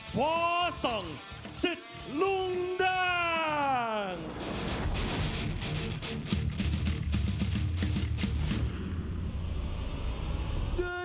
ปูซานทะนะสิดมวยไทยเยี่ยม